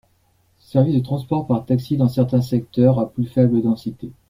Service de transport par taxi dans certains secteurs à plus faible densité.